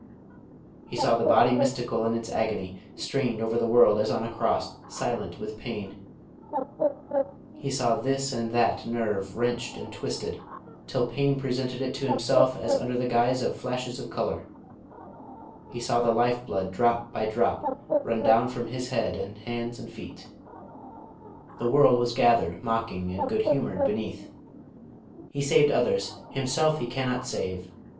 He saw the Body Mystical in its agony, strained over the world as on a cross, silent with pain; he saw this and that nerve wrenched and twisted, till pain presented it to himself as under the guise of flashes of colour; he saw the life blood drop by drop run down from His head and hands and feet. The world was gathered mocking and good humoured beneath. "_He saved others: Himself He cannot save....